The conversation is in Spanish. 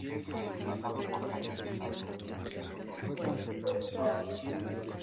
El vídeo musical que acompaña a "Hey Ma" fue filmado en Miami, Florida.